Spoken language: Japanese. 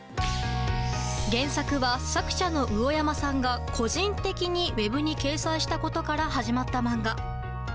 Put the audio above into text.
原作は作者のうおやまさんが個人的にウェブに掲載したことから始まった漫画。